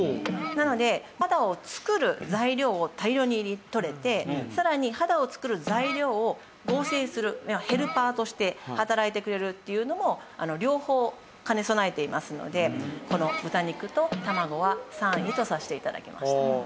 なので肌を作る材料を大量にとれてさらに肌を作る材料を合成するヘルパーとして働いてくれるっていうのも両方兼ね備えていますのでこの豚肉と卵は３位とさせて頂きました。